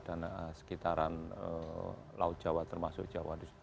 sekitaran laut jawa termasuk jawa